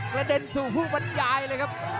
เด็นสู่ผู้บรรยายเลยครับ